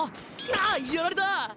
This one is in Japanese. あっやられた！